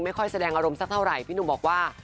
แสดงอารมณ์สักเท่าไหร่พี่หนุ่มบอกว่า